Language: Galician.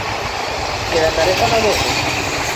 Queda tarefa dabondo.